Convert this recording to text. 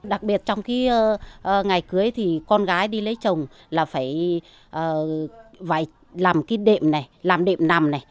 đặc biệt trong cái ngày cưới thì con gái đi lấy chồng là phải làm cái đệm này làm đệm nằm này